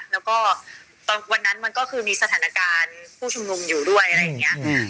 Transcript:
แล้วก็ตอนวันนั้นมันก็คือมีสถานการณ์ผู้ชุมนุมอยู่ด้วยอะไรอย่างนี้